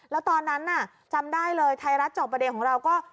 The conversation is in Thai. แล้วตอนนั้นน่ะจำได้เลยไทยรัฐจอบประเด็นของเราก็